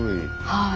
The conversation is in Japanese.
はい。